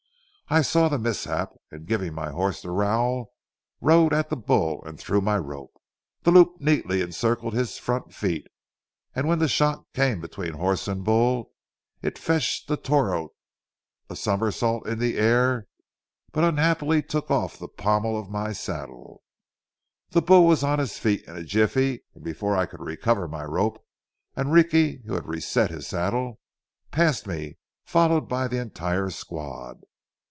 I saw the mishap, and, giving my horse the rowel, rode at the bull and threw my rope. The loop neatly encircled his front feet, and when the shock came between horse and bull, it fetched the toro a somersault in the air, but unhappily took off the pommel of my saddle. The bull was on his feet in a jiffy, and before I could recover my rope, Enrique, who had reset his saddle, passed me, followed by the entire squad.